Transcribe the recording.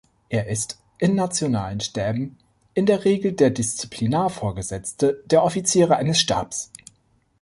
Er ist in nationalen Stäben in der Regel der Disziplinarvorgesetzte der Offiziere eines Stabs.